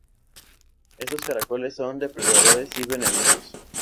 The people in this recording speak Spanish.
Estos caracoles son depredadores y venenosos.